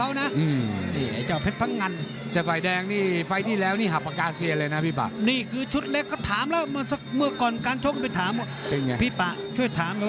และแสนต่อยกับพันพยัตร